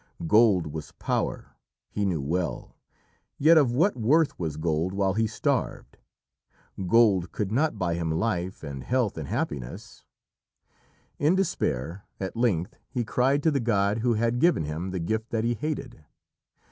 Gold was power, he knew well, yet of what worth was gold while he starved? Gold could not buy him life and health and happiness. In despair, at length he cried to the god who had given him the gift that he hated.